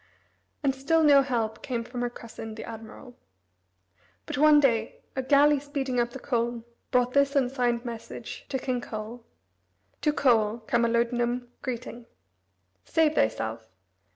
And still no help came from her cousin, the admiral. But one day a galley speeding up the Colne brought this unsigned message to King Coel: "To Coel, Camalodunum, Greeting: "Save thyself.